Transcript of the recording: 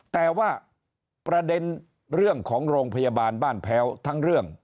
แต่ว่าประเด็นเรื่องของโรงพยาบาลบ้านแพ้วทั้งเรื่อง